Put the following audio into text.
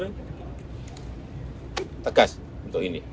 tetap tegas untuk ini